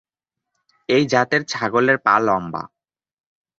এই জাতের ছাগলের পা লম্বা।